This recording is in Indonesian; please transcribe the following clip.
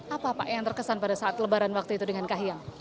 apa pak yang terkesan pada saat lebaran waktu itu dengan kahiyang